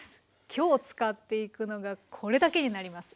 今日使っていくのがこれだけになります。